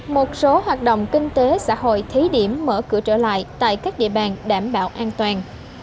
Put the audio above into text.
một số hoạt động kinh tế xã hội thí điểm mở cửa trở lại tại các địa bàn đảm bảo an toàn